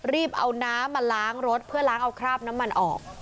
รีบเอาน้ำมาล้างรถเพื่อล้างเอาคราบน้ำมันออก